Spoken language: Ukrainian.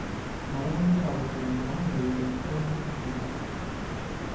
Але вона зразу перемогла його й загадково посміхнулась.